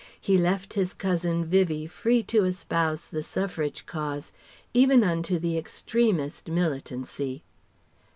He left his cousin Vivie free to espouse the Suffrage cause, even unto the extremest militancy.